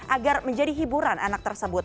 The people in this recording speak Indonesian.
agar menjadi hiburan anak tersebut